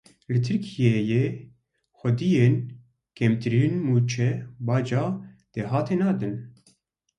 Li Tirkiyeyê xwediyên kêmtirîn mûçe baca dahatê nadin.